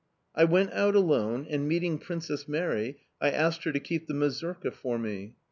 I went out alone, and, meeting Princess Mary I asked her to keep the mazurka for me.